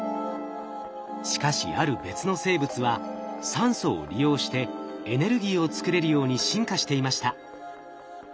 しかしある別の生物は酸素を利用してエネルギーを作れるように進化していました。